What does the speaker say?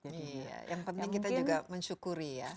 iya yang penting kita juga mensyukuri ya